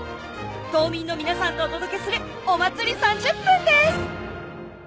島民の皆さんとお届けするお祭り３０分です